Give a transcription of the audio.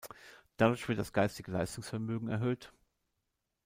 Dadurch wird das geistige Leistungsvermögen erhöht.